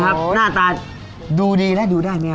โอ้โฮหน้าตาดูดีแล้วดูได้ไหมครับ